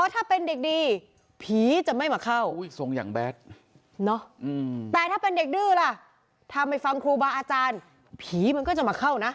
ถ้าไม่ฟังครูบาอาจารย์ผีมันก็จะมาเข้านะ